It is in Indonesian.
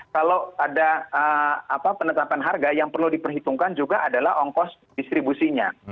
kalau ada penetapan harga yang perlu diperhitungkan juga adalah ongkos distribusinya